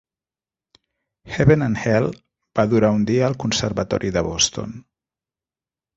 "Heaven and Hell" va durar un dia al conservatori de Boston.